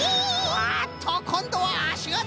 あっとこんどはあしがでた！